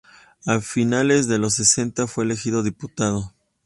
A finales de los sesenta fue elegido diputado.